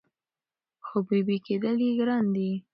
خو بېبي کېدل یې ګران دي